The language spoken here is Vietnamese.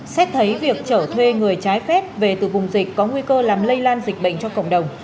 xét thấy việc trở thuê người trái phép về từ vùng dịch có nguy cơ làm lây lan dịch bệnh cho cộng đồng